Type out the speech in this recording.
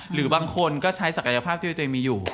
หรือบางคนก็ใช้ศักยภาพที่ตัวเองมีอยู่